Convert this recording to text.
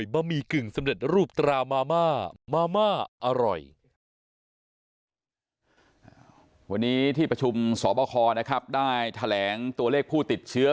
วันนี้ที่ประชุมสอบคอนะครับได้แถลงตัวเลขผู้ติดเชื้อ